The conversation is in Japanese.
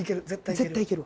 絶対行ける。